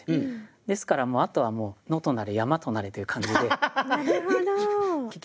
ですからあとはもう野となれ山となれという感じで。